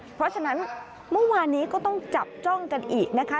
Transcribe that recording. เพราะฉะนั้นเมื่อวานนี้ก็ต้องจับจ้องกันอีกนะคะ